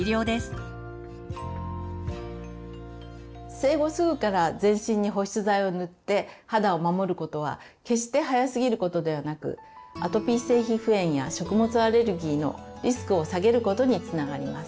生後すぐから全身に保湿剤を塗って肌を守ることは決して早すぎることではなくアトピー性皮膚炎や食物アレルギーのリスクを下げることにつながります。